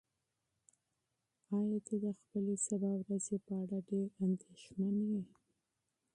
ایا ته د خپلې سبا ورځې په اړه ډېر اندېښمن یې؟